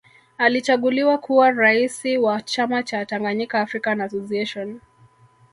Alichaguliwa kuwa raisi wa chama cha Tanganyika African Association